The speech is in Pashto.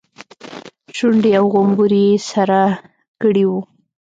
شونډې او غومبري يې سره کړي وو.